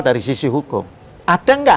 dari sisi hukum ada nggak